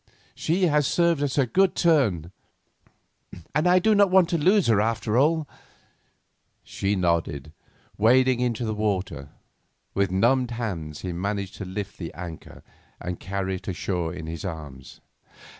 She has served us a good turn, and I do not want to lose her after all." She nodded, and wading into the water, with numbed hands he managed to lift the little anchor and carry it ashore in his arms.